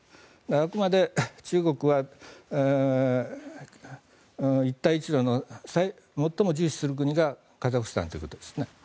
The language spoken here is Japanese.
あくまで中国は一帯一路の最も重視する国がカザフスタンということですね。